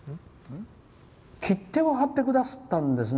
切手を貼ってくださったんですね。